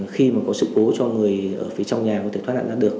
khi mà có sự cố cho người ở phía trong nhà có thể thoát nạn ra được